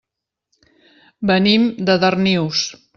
Venim de Darnius.